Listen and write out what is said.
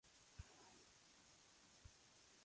Al morir Nelson, Collingwood asumió el mando supremo.